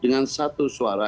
dengan satu suara